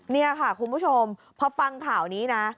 นี่ค่ะคุณผู้ชมพอฟังข่าวนี้นะ